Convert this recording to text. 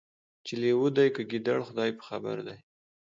چي لېوه دی که ګیدړ خدای په خبر دی